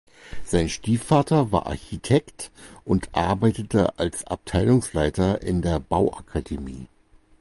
Sein Stiefvater war Architekt und arbeitete als Abteilungsleiter in der Bauakademie.